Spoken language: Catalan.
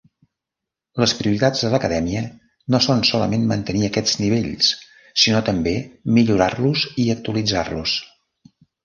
Les prioritats de l'Acadèmia no són solament mantenir aquests nivells, sinó també millorar-los i actualitzar-los.